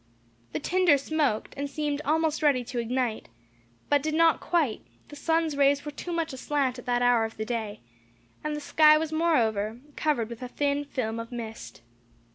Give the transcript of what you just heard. The tinder smoked, and seemed almost ready to ignite, but did not quite the sun's rays were too much aslant at that hour of the day, and the sky was moreover covered with a thin film of mist.